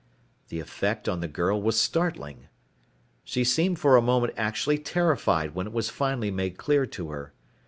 The effect on the girl was startling. She seemed for a moment actually terrified when it was finally made clear to her.